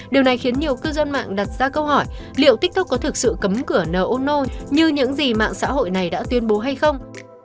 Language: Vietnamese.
điều này khiến nhiều cư dân mạng đặt ra câu hỏi liệu tiktok có thực sự cấm cửa nôno như những gì mạng xã hội này đã tuyên bố hay không